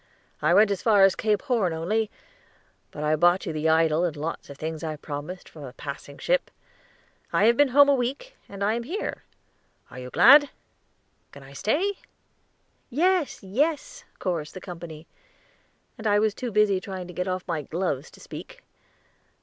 "I went as far as Cape Horn only, but I bought you the idol and lots of things I promised from a passing ship. I have been home a week, and I am here. Are you glad? Can I stay?" "Yes, yes," chorused the company, and I was too busy trying to get off my gloves to speak.